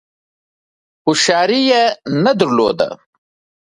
هوښیاري نه درلوده.